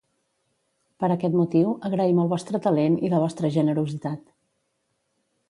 Per aquest motiu agraïm el vostre talent i la vostra generositat.